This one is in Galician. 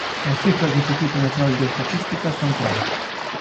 E as cifras do Instituto Nacional de Estatística son claras.